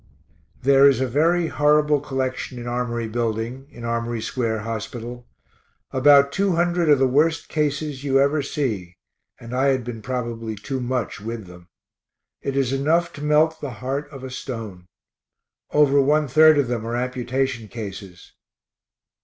There is a very horrible collection in Armory building, (in Armory square hospital) about 200 of the worst cases you ever see, and I had been probably too much with them. It is enough to melt the heart of a stone; over one third of them are amputation cases.